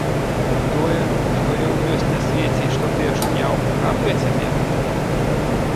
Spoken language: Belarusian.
Тое, што ён ёсць на свеце і што ты ачуняў, радуе цябе?